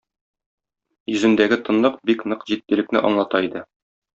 Йөзендәге тынлык бик нык җитдилекне аңлата иде.